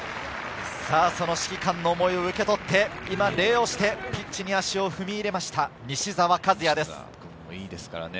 指揮官の思いを受け取って今、礼をして、ピッチに足を踏み入れました、西澤和哉です。